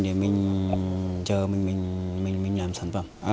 để mình chờ mình làm sản phẩm